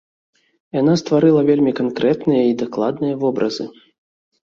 Яна стварыла вельмі канкрэтныя й дакладныя вобразы.